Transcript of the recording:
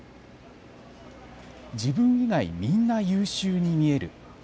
自分以外、みんな優秀に見える。